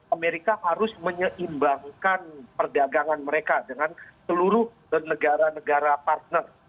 amerika harus menyeimbangkan perdagangan mereka dengan seluruh negara negara partner